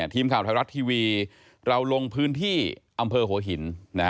ทีมข่าวไทยรัฐทีวีเราลงพื้นที่อำเภอหัวหิน